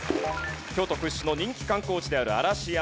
京都屈指の人気観光地である嵐山。